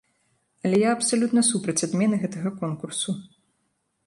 Але я абсалютна супраць адмены гэтага конкурсу.